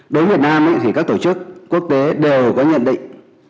đối với việt nam thì các tổ chức quốc tế đều có nhận định